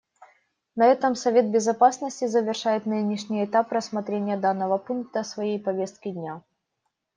На этом Совет Безопасности завершает нынешний этап рассмотрения данного пункта своей повестки дня.